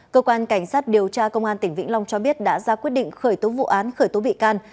cơ quan cảnh sát điều tra công an tỉnh vĩnh long cho biết đã ra quyết định khởi tố vụ án khởi tố bị can